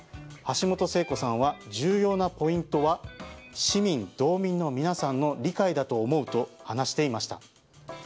橋本聖子さんは重要なポイントは市民・道民の皆さんの理解だと思うと話していました。